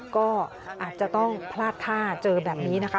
ก็อาจจะต้องพลาดท่าเจอแบบนี้นะคะ